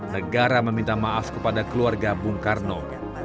negara meminta maaf kepada keluarga bung karno